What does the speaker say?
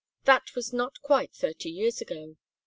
That was not quite thirty years ago.